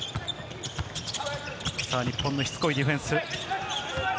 日本のしつこいディフェンス。